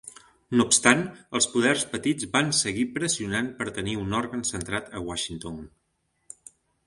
No obstant, els poders petits van seguir pressionant per tenir un òrgan centrat a Washington.